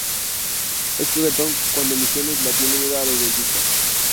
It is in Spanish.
Es juguetón cuando misiones, le tiene miedo a los dentistas.